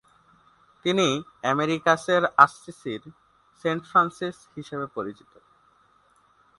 তিনি "আমেরিকাসের আসসিসির Saint Francis" হিসাবে পরিচিত।